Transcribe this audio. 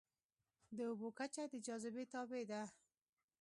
د اوبو کچه د جاذبې تابع ده.